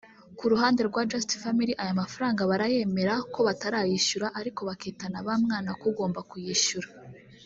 Ku ruhande rwa Just Family aya mafaranga barayemera ko batarayishyura ariko bakitana ba mwana k’ugomba kuyishyura